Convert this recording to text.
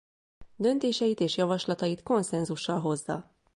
Döntéseit és javaslatait konszenzussal hozza.